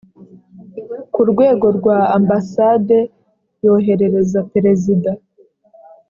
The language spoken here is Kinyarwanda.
ku rwego rwa ambasade yoherereza perezida